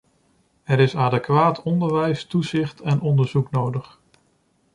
Er is adequaat onderwijs, toezicht en onderzoek nodig.